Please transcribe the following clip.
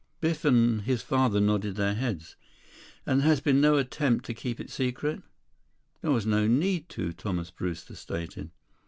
Biff and his father nodded their heads. "And there has been no attempt to keep it secret?" "There was no need to," Thomas Brewster stated.